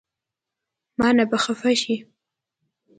مانه به خفه شې